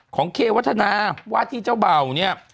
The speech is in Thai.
เควัฒนาว่าที่เจ้าเบ่าเนี่ย